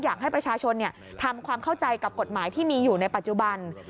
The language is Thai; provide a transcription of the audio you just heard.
อยากให้ประชาชนทำความเข้าใจกับกฎหมายที่มีอยู่ในปัจจุบัน